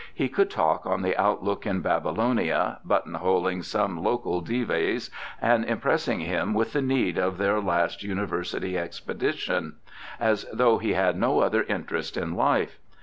He could talk on the outlook in Babylonia, button holing some local Dives, and impressing him with the needs of their last Uni versity expedition, as though he had no other interest in hfe.